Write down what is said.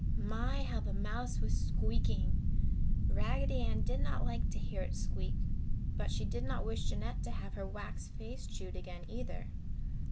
My! how the mouse was squeaking! Raggedy Ann did not like to hear it squeak, but she did not wish Jeanette to have her wax face chewed again, either.